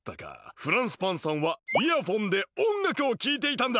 フランスパンさんはイヤホンでおんがくをきいていたんだ！